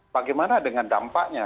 bagaimana dengan dampaknya